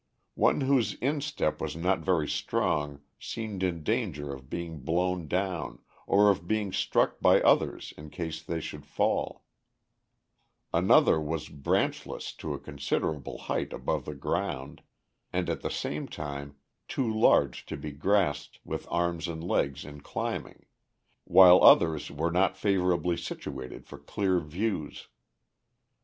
One whose instep was not very strong seemed in danger of being blown down, or of being struck by others in case they should fall; another was branchless to a considerable height above the ground, and at the same time too large to be grasped with arms and legs in climbing; while others were not favorably situated for clear views.